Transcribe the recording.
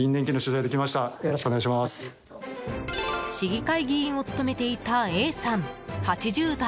市議会議員を務めていたＡさん、８０代。